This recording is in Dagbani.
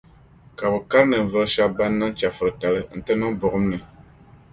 Ka bɛ kari ninvuɣu shɛba ban niŋ chεfuritali n-ti niŋ buɣum puuni.